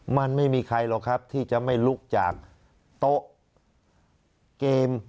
มันไม่มีใครหรอกครับที่จะไม่ลุกจากโต๊ะเกม